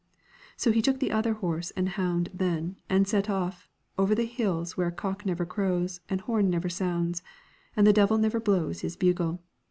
So he took the other horse and hound then, and set off, over hills where cock never crows and horn never sounds, and the devil never blows his bugle.